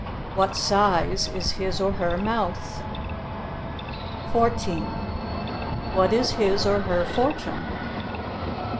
What size is his or her mouth? 14. What is his or her fortune?